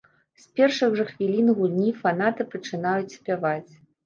З першых жа хвілін гульні фанаты пачынаюць спяваць.